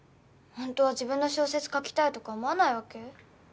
本当は自分の小説書きたいとか思わないわけ？